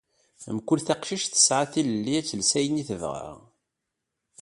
Mkul taqcict tesɛa tilelli ad tles ayen i tebɣa